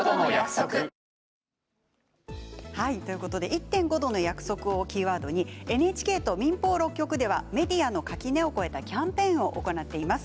「１．５℃の約束」をキーワードにＮＨＫと民放６局ではメディアの垣根を超えたキャンペーンを行っています。